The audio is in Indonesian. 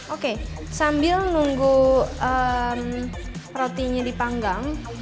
oke sambil nunggu rotinya dipanggang